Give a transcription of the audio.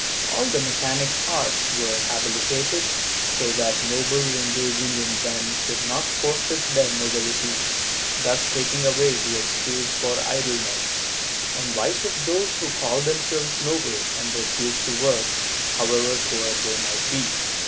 All the mechanic arts were "habilitated," so that nobles engaging in them should not forfeit their nobility, thus taking away the excuse for idleness and vice of those who called themselves noble and refused to work, however poor they might be.